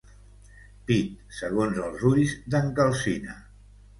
Pit segons els ulls d'en Calsina.